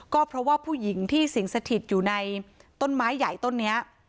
ก็เพราะว่าผู้หญิงที่สิงสถิตอยู่ในต้นไม้ใหญ่ต้นนี้